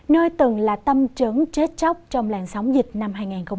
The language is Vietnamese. nơi từng là tâm trấn chết chóc trong làn sóng dịch năm hai nghìn hai mươi